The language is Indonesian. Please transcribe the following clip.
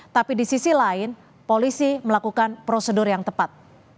tapi di sisi lain polisi melakukan prosedur yang tepat